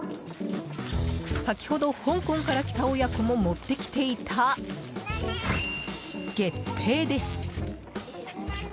先ほど香港から来た親子も持ってきていた、月餅です。